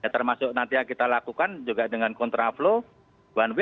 termasuk nanti yang kita lakukan juga dengan kontraflow